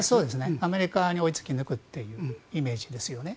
アメリカに追いつき抜くというイメージですね。